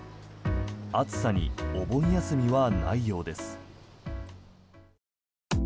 暑さにお盆休みはないようです。